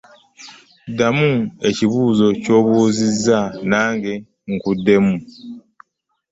Ddamu ekibuuzo ky'obuuzizza nange nkuddemu.